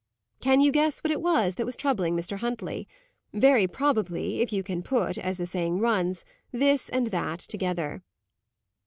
Can you guess what it was that was troubling Mr. Huntley? Very probably, if you can put, as the saying runs, this and that together.